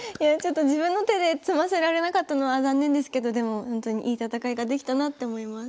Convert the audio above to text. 自分の手で詰ませられなかったのは残念ですけどでもほんとにいい戦いができたなって思います。